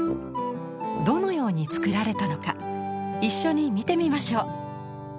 どのように作られたのか一緒に見てみましょう。